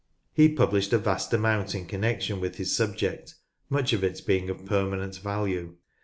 He published a vast amount in connection with his subject, much of it being of permanent value.